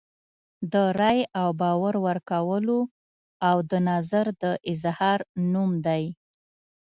د رایې او باور ورکولو او د نظر د اظهار نوم دی.